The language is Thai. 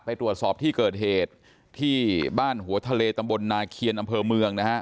ไปตรวจสอบที่เกิดเหตุที่บ้านหัวทะเลตำบลนาเคียนอำเภอเมืองนะฮะ